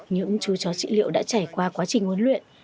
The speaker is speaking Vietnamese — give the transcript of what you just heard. những chú chó trị liệu đã trải qua quá trình huấn luyện